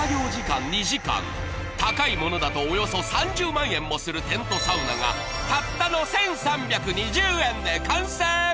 高いものだとおよそ３０万円もするテントサウナがたったの１３２０円で完成！